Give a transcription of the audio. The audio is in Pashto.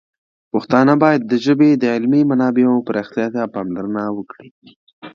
پښتانه باید د ژبې د علمي منابعو پراختیا ته پاملرنه وکړي.